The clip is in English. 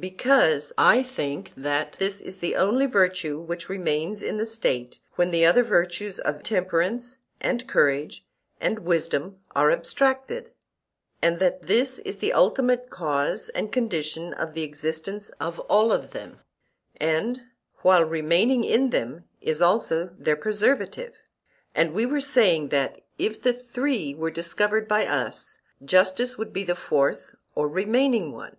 Because I think that this is the only virtue which remains in the State when the other virtues of temperance and courage and wisdom are abstracted; and, that this is the ultimate cause and condition of the existence of all of them, and while remaining in them is also their preservative; and we were saying that if the three were discovered by us, justice would be the fourth or remaining one.